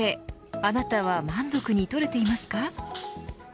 あなたは満足に取れていますか。